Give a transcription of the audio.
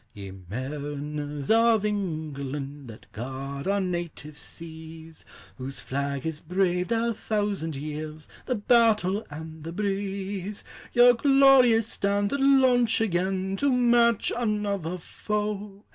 Ye mariners of England! That guard our native seas; Whose flag has braved, a thousand years, The battle and the breeze! Your glorious standard launch again To match another foe!